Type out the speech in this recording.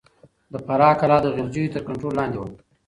د فراه کلا د غلجيو تر کنټرول لاندې وه.